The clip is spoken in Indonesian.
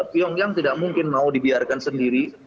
pyongyang tidak mungkin mau dibiarkan sendiri